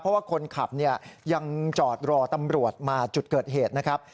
เพราะว่าคนขับยังจอดรอตำรวจมาจุดเกิดเหตุนะครับ